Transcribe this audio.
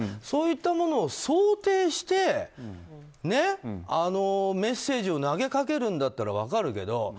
そういったものを想定してメッセージを投げかけるんだったら分かるけど。